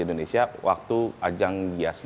indonesia waktu ajang